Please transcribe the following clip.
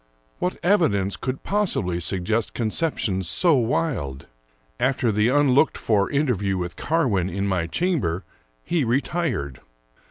What evidence could possibly suggest conceptions so wild? After the unlooked for interview with Carwin in my chamber, he retired.